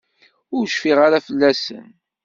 Ur cfiɣ ara fell-asen.